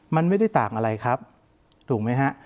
มันไม่ได้ต่างอะไรครับถูกไหมฮะ